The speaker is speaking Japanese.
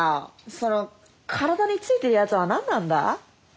その体についてるやつは何なんだ？